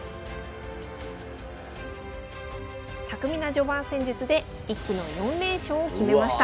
巧みな序盤戦術で一気の４連勝を決めました。